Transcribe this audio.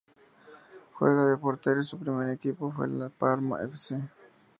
Juega de portero y su primer equipo fue el Parma F. C..